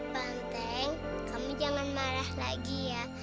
banteng kamu jangan marah lagi ya